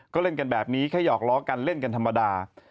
ก็เล่นกันแบบนี้แค่หยอกล้อกันเล่นกันธรรมดา